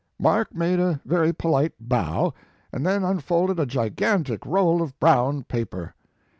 Mark made a very polite bow, and then unfolded a gigantic roll of brown paper.